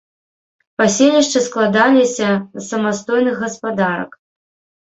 Паселішчы складаліся з самастойных гаспадарак.